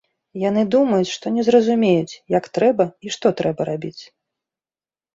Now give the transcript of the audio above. Яны думаюць, што не зразумеюць, як трэба і што трэба рабіць.